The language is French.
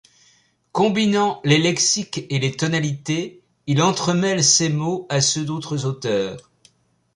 Combinant les lexiques et les tonalités, il entremêle ses mots à ceux d'autres auteurs.